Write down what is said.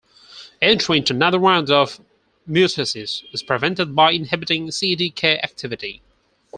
Entry into another round of mitosis is prevented by inhibiting Cdk activity.